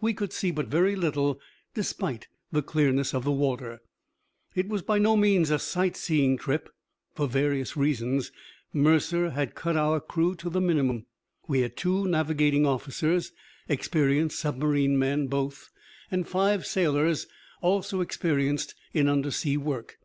We could see but very little, despite the clearness of the water. It was by no means a sight seeing trip. For various reasons, Mercer had cut our crew to the minimum. We had two navigating officers, experienced submarine men both, and five sailors, also experienced in undersea work.